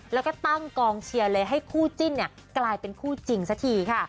แล้วก็ตั้งกองเชียร์เลยให้คู่จิ้นกลายเป็นคู่จริงสักทีค่ะ